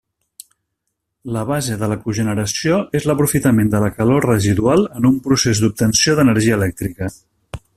La base de la cogeneració és l'aprofitament de la calor residual en un procés d'obtenció d'energia elèctrica.